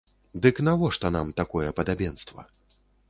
Дык навошта нам такое падабенства?